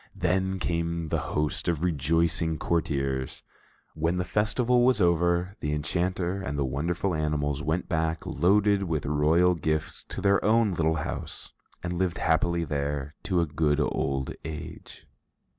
Then came the host of rejoicing courtiers. When the festival was over, the enchanter and the wonderful animals went back, loaded with royal gifts, to their own little house and lived happily there to a good old age.